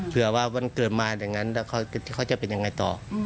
เผื่อว่าวันเกิดมาอย่างนั้นแล้วเขาจะเป็นยังไงต่อ